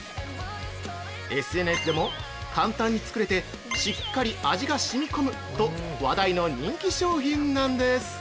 ＳＮＳでも、簡単に作れてしっかり味がしみ込むと話題の人気商品なんです。